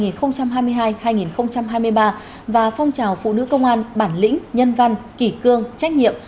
nhiệm kỳ hai nghìn hai mươi hai hai nghìn hai mươi ba và phong trào phụ nữ công an bản lĩnh nhân văn kỷ cương trách nhiệm